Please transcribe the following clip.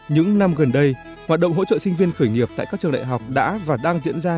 những năm gần đây hoạt động hỗ trợ sinh viên khởi nghiệp tại các trường đại học đã và đang diễn ra